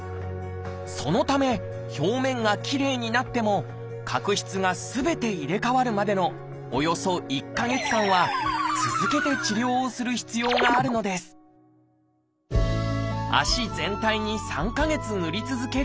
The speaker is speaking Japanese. そのため表面がきれいになっても角質がすべて入れ代わるまでのおよそ１か月間は続けて治療をする必要があるのです足全体に３か月ぬり続ける。